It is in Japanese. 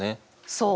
そう。